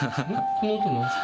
この音なんですか？